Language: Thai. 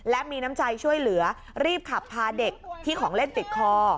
และมีน้ำใจช่วยเหลือรีบขับพาเด็กที่ของเล่นติดคอ